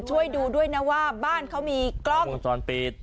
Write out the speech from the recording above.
ช่วยดูด้วยนะว่าบ้านเขามีกล้องวงจรปิด